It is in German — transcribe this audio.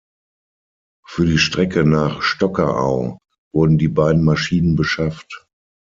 Für die Strecke nach Stockerau wurden die beiden Maschinen beschafft.